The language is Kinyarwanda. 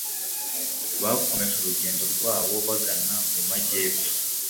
Bakomeje urugendo rwabo bagana mu majyepfo,